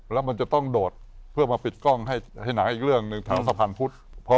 แล้วมันจะต้องโดดเพื่อมาปิดกล้องให้หนังอีกเรื่องหนึ่งแถวสะพานพุทธ